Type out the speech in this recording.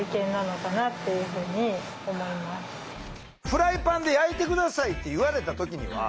「フライパンで焼いて下さい」って言われた時には？